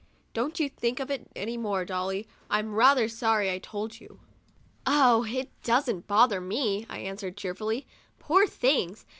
Don't think of it any more, Dolly; I'm rather sorry I told you.*' "Oh, it doesn't bother me," I answered, cheerfully. "Poor things!